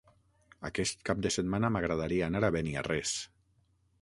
Aquest cap de setmana m'agradaria anar a Beniarrés.